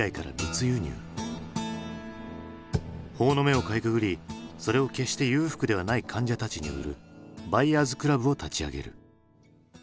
法の目をかいくぐりそれを決して裕福ではない患者たちに売るバイヤーズクラブを立ち上げる。